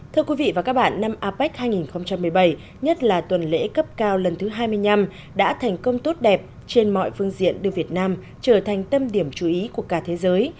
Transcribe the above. thưa quý vị và các bạn năm apec hai nghìn một mươi bảy nhất là tuần lễ cấp cao lần thứ hai mươi năm đã thành công tốt đẹp trên mọi phương diện đưa việt nam trở thành tâm điểm chú ý của cả thế giới